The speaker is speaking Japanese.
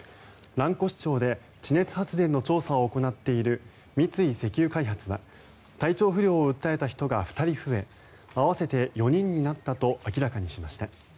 蘭越町で地熱発電の調査を行っている三井石油開発は体調不良を訴えた人が２人増え合わせて４人になったと明らかにしました。